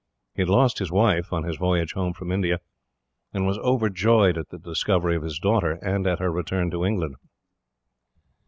He had lost his wife, on his voyage home from India, and was overjoyed at the discovery of his daughter, and at her return to England.